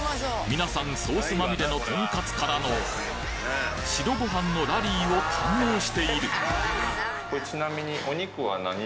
皆さんソースまみれのとんかつからの白ご飯のラリーを堪能しているちなみに。